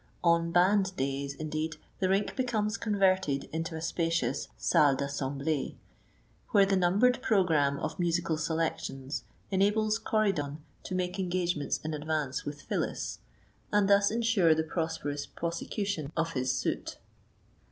On band days, indeed, the rink becomes converted into a spacious salle d'assemblée, where the numbered programme of musical selections enables Corydon to make engagements in advance with Phyllis, and thus insure the prosperous prosecution of his suit.